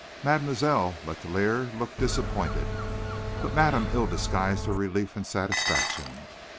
Mademoiselle Letellier looked disappointed, but madame ill disguised her relief and satisfaction.